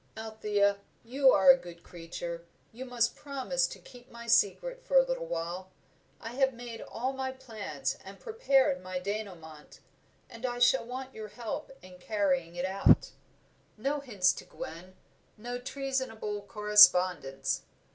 "Althea, you are a good creature you must promise to keep my secret for a little while. I have made all my plans and prepared my dénouement, and I shall want your help in carrying it out. No hints to Gwen, no treasonable correspondence!